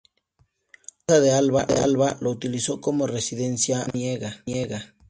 La Casa de Alba lo utilizó como residencia veraniega.